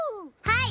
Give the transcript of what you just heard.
はい！